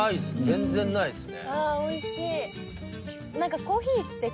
全然ないですね。